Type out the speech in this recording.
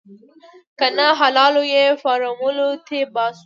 که نه حلالوو يې فارموله تې باسو.